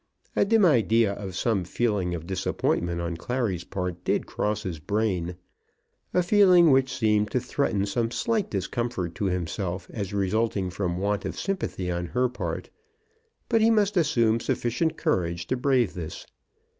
A dim idea of some feeling of disappointment on Clary's part did cross his brain, a feeling which seemed to threaten some slight discomfort to himself as resulting from want of sympathy on her part; but he must assume sufficient courage to brave this.